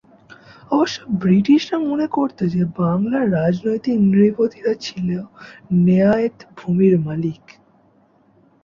অবশ্য ব্রিটিশরা মনে করত যে বাংলার রাজনৈতিক নৃপতিরা ছিল নেহায়েত ভূমির মালিক।